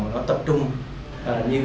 mà nó tập trung như